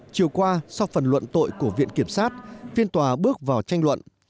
chiều qua sau phần luận tội của viện kiểm sát phiên tòa bước vào tranh luận